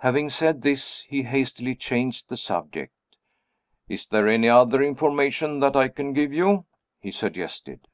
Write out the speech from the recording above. Having said this he hastily changed the subject. "Is there any other information that I can give you?" he suggested.